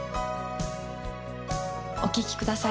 お聴きください。